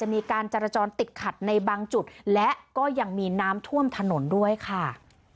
มีการจรจรติดขัดในบางจุดและก็ยังมีน้ำท่วมถนนด้วยค่ะ